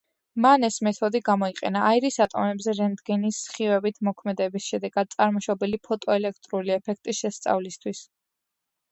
მან ეს მეთოდი გამოიყენა აირის ატომებზე რენტგენის სხივებით მოქმედების შედეგად წარმოშობილი ფოტოელექტრული ეფექტის შესწავლისათვის.